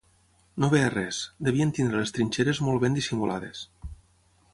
No veia res; devien tenir les trinxeres molt ben dissimulades.